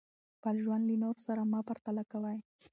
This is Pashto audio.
خپل ژوند له نورو سره مه پرتله کوئ.